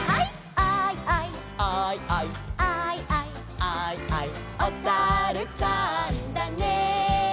「アイアイ」「アイアイ」「アイアイ」「アイアイ」「おさるさんだね」